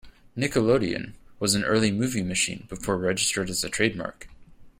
"Nickelodeon" was an early movie machine before registered as a trademark.